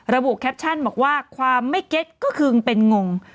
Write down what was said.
ระบุแคปชั่นบอกว่าความไม่เก็ตก็คือเป็นงง